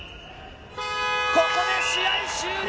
ここで試合終了。